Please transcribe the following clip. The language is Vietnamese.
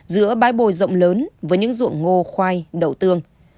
giữa bãi bồi rộng lớn với những ruộng ngô khoai đậu tương